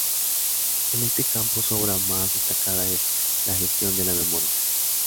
En este campo su obra más destacada es "La gestión de la memoria.